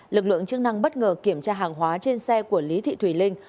lực lượng chức năng bất ngờ kiểm tra hàng hóa trên xe của lý thị thùy linh